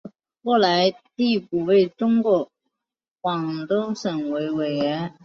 后来递补为中共广东省委委员。